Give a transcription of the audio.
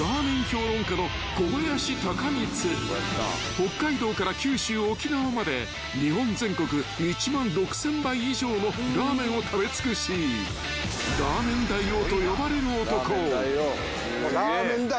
［北海道から九州沖縄まで日本全国１万６，０００杯以上のラーメンを食べ尽くしラーメン大王と呼ばれる男］